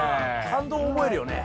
感動を覚えるよね。